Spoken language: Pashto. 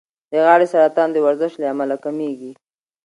د غاړې سرطان د ورزش له امله کمېږي.